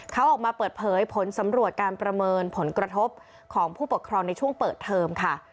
เขาออกมาเปิดเผยผลสำรวจการประเมินผลกระทบของผู้ปกครองในช่วงเปิดเทอมค่ะ